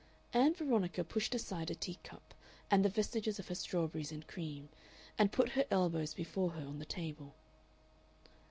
Ann Veronica pushed aside a tea cup and the vestiges of her strawberries and cream, and put her elbows before her on the table.